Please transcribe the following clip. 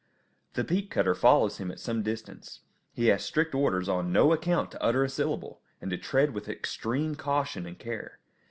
The peat cutter follows him at some distance. He has strict orders on no account to utter a syllable, and to tread with extreme caution and care.